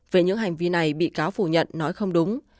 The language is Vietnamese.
về những hành vi này bị cáo phủ nhận nói không đúng